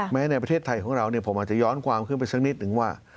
ในประเทศไทยของเราผมอาจจะย้อนความขึ้นไปสักนิดนึงว่า